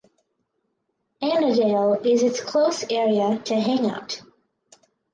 Annadale is its close area to hangout.